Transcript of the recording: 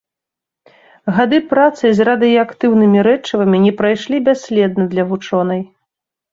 Гады працы з радыеактыўнымі рэчывамі не прайшлі бясследна для вучонай.